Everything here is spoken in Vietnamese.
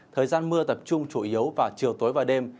thời gian mưa tập trung chủ yếu vào chiều tối và đêm